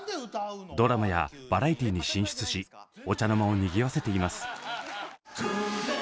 ドラマやバラエティーに進出しお茶の間をにぎわせています。